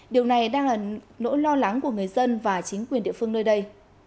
điều này đang là nỗi lo lắng của người dân và chính quyền địa phương nơi đây